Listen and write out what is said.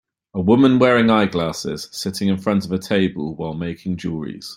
A woman wearing eyeglasses, sitting in front of the table while making jewelries.